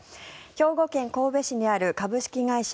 兵庫県神戸市にある株式会社